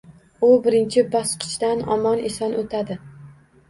U birinchi bosqichdan omon eson o’tadi.